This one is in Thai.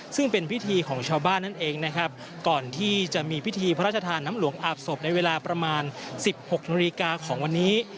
ซึ่งเป็นพิธีของชาวบ้านนั่นเองนะครับก่อนที่จะมีพิธีพระราชทานน้ำหลวงอาบศพในเวลาประมาณ๑๖นาฬิกาของวันนี้